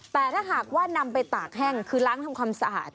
แต่ถ้าหากว่านำไปตากแห้งคือล้างทำความสะอาด